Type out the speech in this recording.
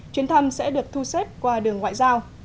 chuyến thăm sẽ được thu xếp qua đường ngoại giao